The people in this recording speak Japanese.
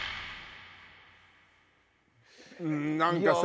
何かさ。